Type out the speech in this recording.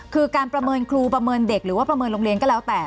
คือการประเมินครูประเมินเด็กหรือว่าประเมินโรงเรียนก็แล้วแต่